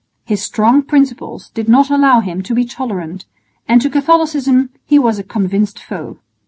His strong principles did not allow him to be tolerant, and to Catholicism he was a convinced foe.